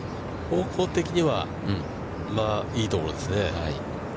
方向的にはいいところですね。